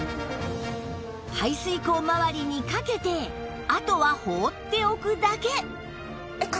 排水口まわりにかけてあとは放っておくだけ！